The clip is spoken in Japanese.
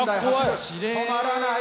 止まらない！